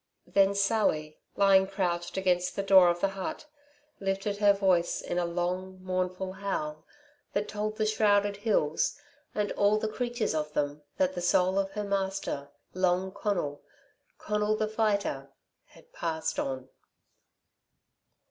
Then Sally, lying crouched against the door of the hut, lifted her voice in a long, mournful howl that told the shrouded hills and all the creatures of them that the soul of her master, Long Conal Conal, the Fighter had passed on.